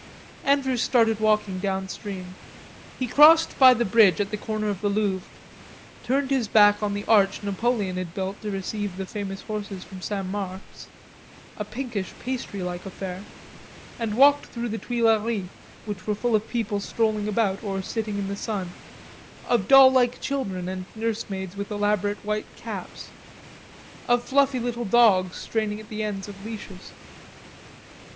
Andrews started walking downstream. He crossed by the bridge at the corner of the Louvre, turned his back on the arch Napoleon built to receive the famous horses from St. Marc's, a pinkish pastry like affair and walked through the Tuileries which were full of people strolling about or sitting in the sun, of doll like children and nursemaids with elaborate white caps, of fluffy little dogs straining at the ends of leashes.